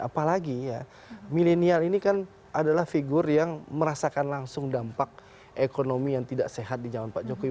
apalagi ya milenial ini kan adalah figur yang merasakan langsung dampak ekonomi yang tidak sehat di zaman pak jokowi